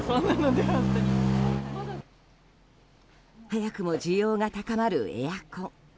早くも需要が高まるエアコン。